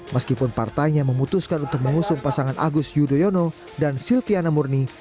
meskipun partainya memutuskan untuk mengusung pasangan agus yudhoyono dan silviana murni